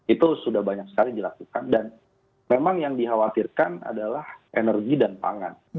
itu sudah banyak sekali dilakukan dan memang yang dikhawatirkan adalah energi dan pangan